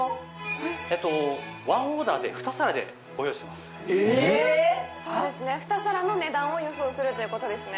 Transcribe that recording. ワンオーダーで２皿でご用意してますそうですね